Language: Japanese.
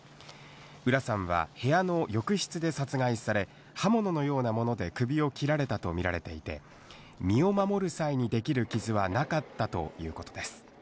浦さんは部屋の浴室で殺害され、刃物のようなもので首を切られたと見られていて、身を守る際にできる傷はなかったということです。